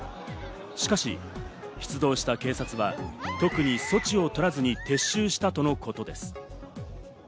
しかし、出動した警察は特に措置を取らずに撤収したとのことです。